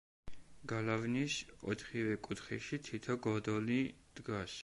გალავნის ოთხივე კუთხეში თითო გოდოლი დგას.